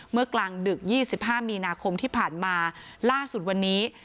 กลางดึก๒๕มีนาคมที่ผ่านมาล่าสุดวันนี้